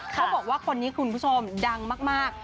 เขาบอกว่าคนนี้คุณผู้ชมดังมาก